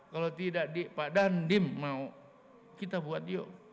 kalau tidak pak dandim mau kita buat yuk